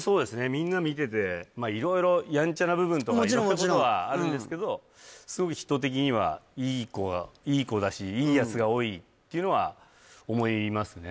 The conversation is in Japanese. みんな見てて色々ヤンチャな部分とかもちろんもちろん色んなことはあるんですけどすごく人的にはいい子だしいいやつが多いっていうのは思いますね